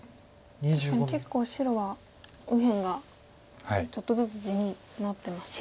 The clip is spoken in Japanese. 確かに結構白は右辺がちょっとずつ地になってますね。